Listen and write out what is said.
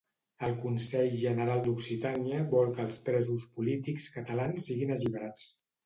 El Consell General d'Occitània vol que els presos polítics catalans siguin alliberats.